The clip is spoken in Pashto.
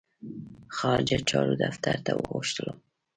خارجه چارو دفتر ته وغوښتلم.